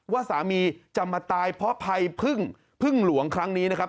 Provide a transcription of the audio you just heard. ว่าสามีจะมาตายเพราะภัยพึ่งพึ่งหลวงครั้งนี้นะครับ